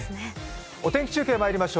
お天気中継まいりましょう。